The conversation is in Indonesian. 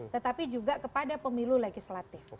tetapi juga kepada pemilu legislatif